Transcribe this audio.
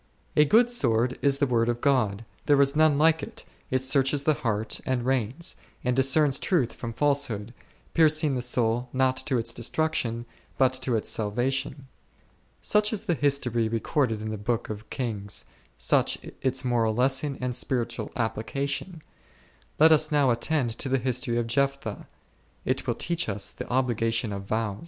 A good sword is the word of God, there is none like it ; it searches the heart and reins, and discerns truth from falsehood, piercing the soul not to its destruction but to its salvation. Such is the history recorded in the Book of Kings, such its moral lesson and spiritual application. Let us now attend to the history of Jephthah : it will teach us the obligation of vows.